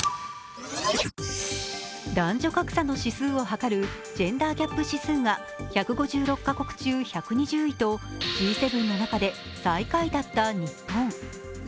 男女格差の指数を図るジェンダーギャップ指数が１５６カ国中１２０位とＧ７の中で最下位だった日本。